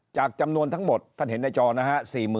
จากจำนวนทั้งหมดท่านเห็นในจอนะฮะ๔๔๙๗๖